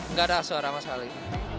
nggak ada suara mas kali ini